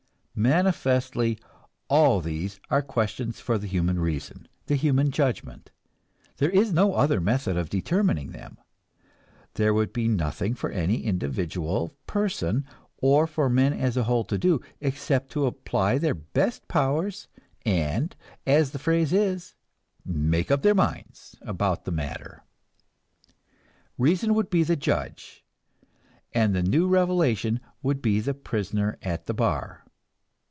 Manifestly, all these are questions for the human reason, the human judgment; there is no other method of determining them, there would be nothing for any individual person, or for men as a whole to do, except to apply their best powers, and, as the phrase is, "make up their minds" about the matter. Reason would be the judge, and the new revelation would be the prisoner at the bar.